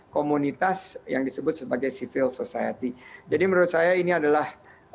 komunitas yang disebut sebagai civil society jadi menurut saya ini adalah